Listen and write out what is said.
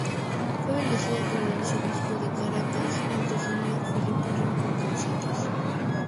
Fue bendecida por el Arzobispo de Caracas, Monseñor Felipe Rincón González.